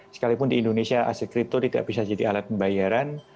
sekalipun di indonesia aset kripto tidak bisa jadi alat pembayaran